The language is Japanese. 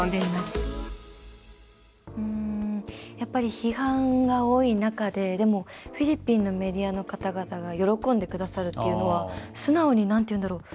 批判が多い中ででも、フィリピンのメディアの方々が喜んでくださるっていうのは素直に、なんていうんだろう？